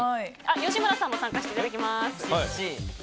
吉村さんも参加していただきます。